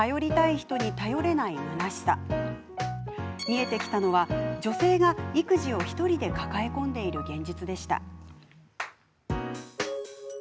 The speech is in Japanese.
見えてきたのは、女性が育児を１人で抱え込んでいる現実でした。